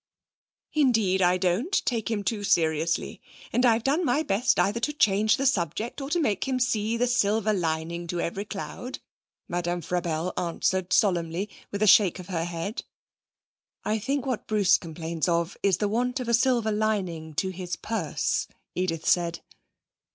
'Indeed I don't take him too seriously! And I've done my best either to change the subject or to make him see the silver lining to every cloud,' Madame Frabelle answered solemnly, with a shake of her head. 'I think what Bruce complains of is the want of a silver lining to his purse,' Edith said.